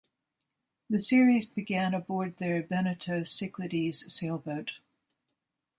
The series began aboard their Beneteau Cyclades sailboat.